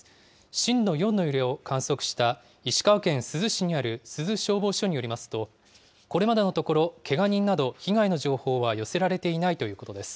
震度４の揺れを観測した石川県珠洲市にある珠洲消防署によりますと、これまでのところ、けが人など被害の情報は寄せられていないということです。